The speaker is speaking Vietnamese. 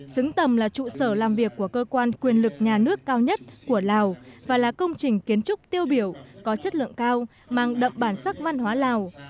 xứng tầm là trụ sở làm việc của cơ quan quyền lực nhà nước cao nhất của lào và là công trình kiến trúc tiêu biểu có chất lượng cao mang đậm bản sắc văn hóa lào